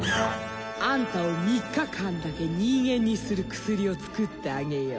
あんたを３日間だけ人間にする薬を作ってあげよう。